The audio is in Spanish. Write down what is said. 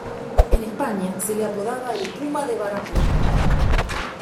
En España se le apodaba "El puma de Baracoa".